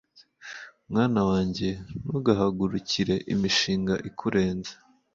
mwana wanjye, ntugahagurukire imishinga ikurenze